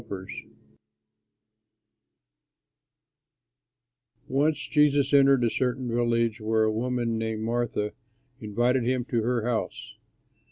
Siemiradzki] Once Jesus entered a certain village where a woman named Martha invited him to her house.